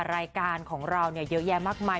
รายการของเราเยอะแยะมากมาย